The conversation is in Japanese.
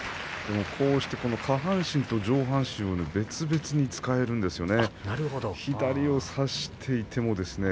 下半身と上半身を別々に使えるんですよね